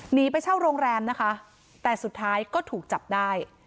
หนีไปเช่าโรงแรมนะคะแต่สุดท้ายก็ถูกจับได้